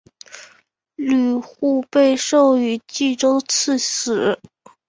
吕护被授予冀州刺史。